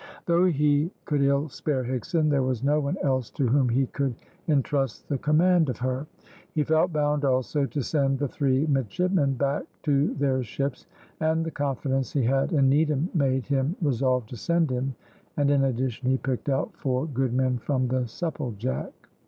Though he could ill spare Higson, there was no one else to whom he could entrust the command of her. He felt bound also to send the three midshipmen back to their ships, and the confidence he had in Needham made him resolve to send him, and in addition he picked out four good men from the Supplejack.